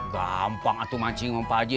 gampang atau mancing pak haji